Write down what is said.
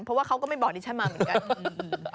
เพราะว่าเขาก็ไม่บอกดิฉันมาเหมือนกัน